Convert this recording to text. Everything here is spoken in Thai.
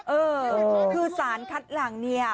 เออคือสารคัดหลังเนี่ย